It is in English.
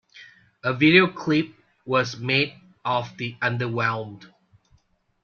A video-clip was made of the "Underwhelmed".